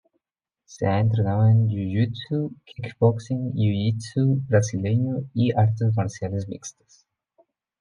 Se ha entrenado en jujutsu, kickboxing, jiu-jitsu brasileño y artes marciales mixtas.